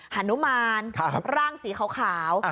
หันมาลร่างสีขาวขาว